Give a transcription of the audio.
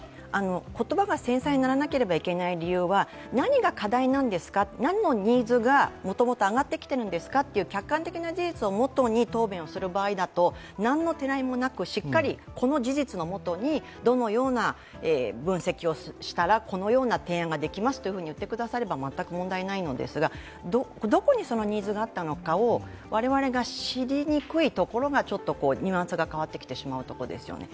言葉が繊細にならなければいけない理由は、何が課題なんですか何のニーズがもともと上がってきているんですかという客観的な事実をもとに答弁する場合だと何のてらいもなくしっかりこの事実のもとにどのような分析をしたらこのような提案ができますと言ってくだされば全く問題がないのですが、どこにそのニーズがあったのかを我々が知りにくいところがニュアンスが変わってきてしまうところですよね。